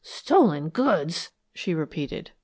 "Stolen goods!" she repeated.